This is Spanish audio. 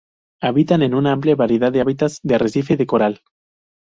Habitan una amplia variedad de hábitats del arrecife de coral.